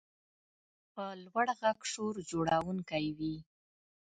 په لوړ غږ شور جوړونکی وي.